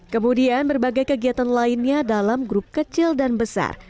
kemudian berbagai kegiatan lainnya dalam grup kecil dan besar